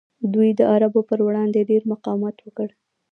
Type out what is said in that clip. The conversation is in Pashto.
دوی د عربو پر وړاندې ډیر مقاومت وکړ